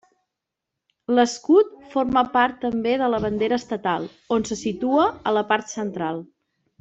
L'escut forma part també de la bandera estatal, on se situa a la part central.